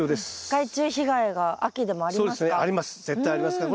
害虫被害が秋でもありますか？